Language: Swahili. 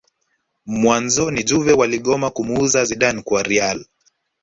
Mwanzoni juve waligoma kumuuza Zidane kwa real